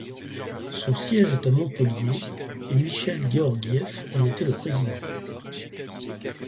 Son siège est à Montpellier et Michel Gueorguieff en était le président.